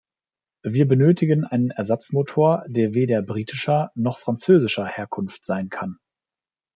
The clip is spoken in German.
Wir benötigen einen Ersatzmotor, der weder britischer noch französischer Herkunft sein kann.